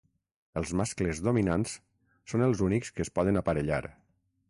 Els mascles dominants són els únics que es poden aparellar.